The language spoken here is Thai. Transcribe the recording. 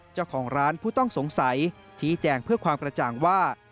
เจ้าของร้านผู้ต้องสงสัยชี้แจงเพื่อความกระจ่างว่า